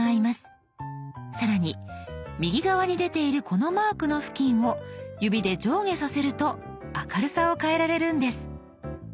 更に右側に出ているこのマークの付近を指で上下させると明るさを変えられるんです。